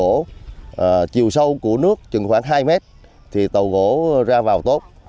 bởi vì chiều sâu của nước chừng khoảng hai mét thì tàu gỗ ra vào tốt